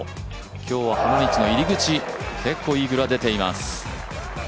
今日は入り口結構イーグルが出ています。